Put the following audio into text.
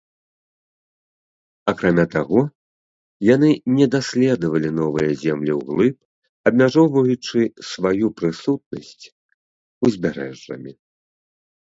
Акрамя таго, яны не даследавалі новыя землі ўглыб, абмяжоўваючы сваю прысутнасць узбярэжжамі.